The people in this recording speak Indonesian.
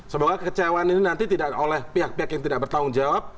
semoga kekecewaan ini nanti tidak oleh pihak pihak yang tidak bertanggung jawab